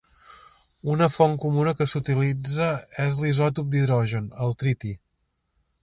Una font comuna que s'utilitza és l'isòtop d'hidrogen, el triti.